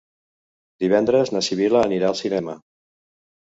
Divendres na Sibil·la anirà al cinema.